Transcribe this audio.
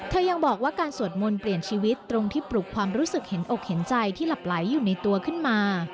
ยังบอกว่าการสวดมนต์เปลี่ยนชีวิตตรงที่ปลุกความรู้สึกเห็นอกเห็นใจที่หลับไหลอยู่ในตัวขึ้นมา